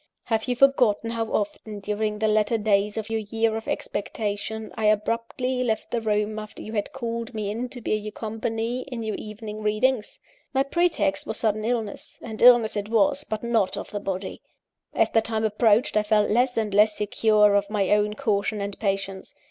Have you forgotten how often, during the latter days of your year of expectation, I abruptly left the room after you had called me in to bear you company in your evening readings? My pretext was sudden illness; and illness it was, but not of the body. As the time approached, I felt less and less secure of my own caution and patience.